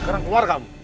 sekarang keluar kamu